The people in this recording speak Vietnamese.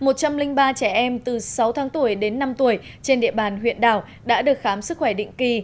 một trăm linh ba trẻ em từ sáu tháng tuổi đến năm tuổi trên địa bàn huyện đảo đã được khám sức khỏe định kỳ